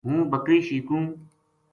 ہوں بکری شیکوں